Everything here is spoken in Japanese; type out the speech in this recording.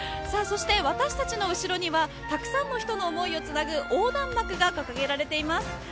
そして私たちの後ろにはたくさんの人の思いをつなぐ横断幕が掲げられています。